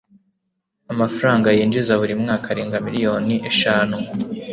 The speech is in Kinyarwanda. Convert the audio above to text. Amafaranga yinjiza buri mwaka arenga miliyoni eshanu